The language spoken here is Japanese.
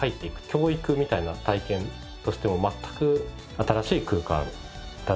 教育みたいな体験としても全く新しい空間だなと思って。